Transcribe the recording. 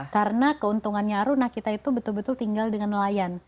karena keuntungannya aruna kita itu betul betul tinggal dengan nelayan